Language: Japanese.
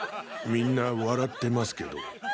みんな笑ってますけど。